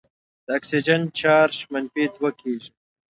د اکسیجن چارج منفي دوه کیږي.